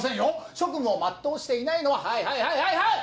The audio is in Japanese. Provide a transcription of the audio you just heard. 職務を全うしていないのははいはいはいはいはい！